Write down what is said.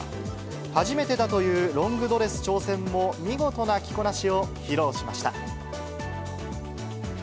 初めてだというロングドレス挑戦も、見事な着こなしを披露しました。